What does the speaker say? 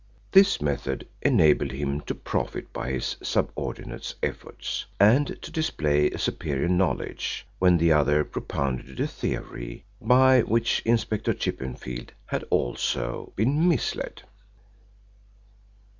This method enabled him to profit by his subordinate's efforts and to display a superior knowledge when the other propounded a theory by which Inspector Chippenfield had also been misled.